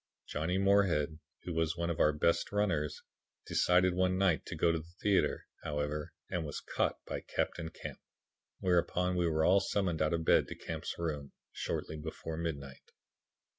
Johnny Moorhead, who was one of our best runners, decided one night to go to the theatre, however, and was caught by Captain Camp, whereupon we were all summoned out of bed to Camp's room, shortly before midnight.